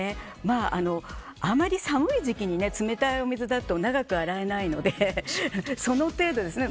あまり寒い時期に冷たいお水だと長く洗えないのでその程度ですね。